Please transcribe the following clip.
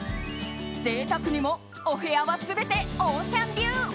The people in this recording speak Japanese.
贅沢にもお部屋は全てオーシャンビュー。